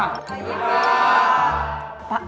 selamat pagi pak